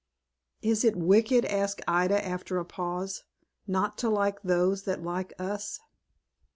"Is it wicked," asked Ida, after a pause, "not to like those that like us?"